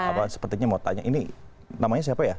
apa sepertinya mau tanya ini namanya siapa ya